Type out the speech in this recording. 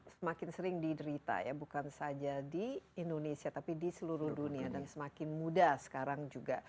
semakin sering diderita ya bukan saja di indonesia tapi di seluruh dunia dan semakin muda sekarang juga